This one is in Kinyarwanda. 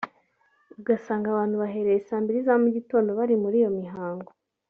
ugasanga abantu bahereye saa mbiri za mu gitondo bari muri iyo mihango